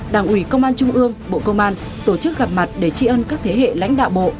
đảng ủy công an trung ương bộ công an tổ chức gặp mặt để tri ân các thế hệ lãnh đạo bộ